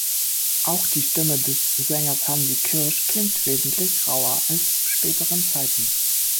Auch die Stimme des Sängers Hansi Kürsch klingt wesentlich rauer als zu späteren Zeiten.